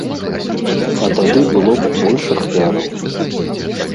А тады было б больш ахвяраў.